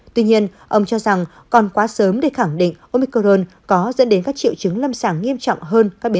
tuy nhiên ông cho rằng còn quá sớm để khẳng định omicron có dẫn đến các triệu chứng lâm sàng nghiệp